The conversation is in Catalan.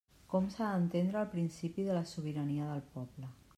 Com s'ha d'entendre el principi de la sobirania del poble.